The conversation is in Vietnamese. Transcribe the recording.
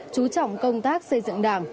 chú trọng công tác xây dựng đảng